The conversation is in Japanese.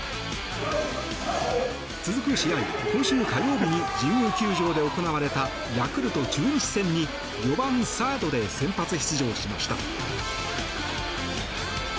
続く試合、今週火曜日に神宮球場で行われたヤクルト、中日戦に４番サードで先発出場しました。